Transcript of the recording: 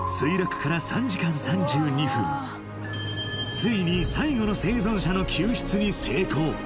ついに最後の生存者の救出に成功